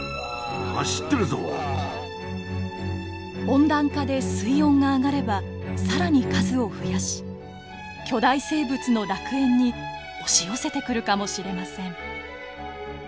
温暖化で水温が上がれば更に数を増やし巨大生物の楽園に押し寄せてくるかもしれません。